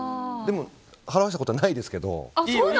払わせたことはないですけど。